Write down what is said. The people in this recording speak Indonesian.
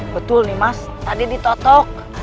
betul nih mas tadi ditotok